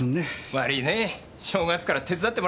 悪ぃねぇ正月から手伝ってもらっちゃって。